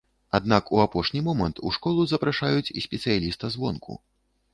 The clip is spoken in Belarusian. Аднак у апошні момант у школу запрашаюць спецыяліста звонку.